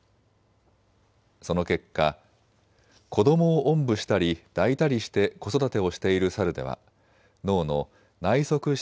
その結果、子どもをおんぶしたり抱いたりして子育てをしているサルでは脳の内側視